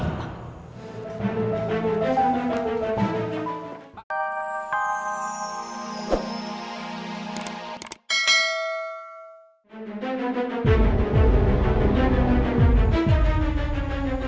pusing orang satu cerit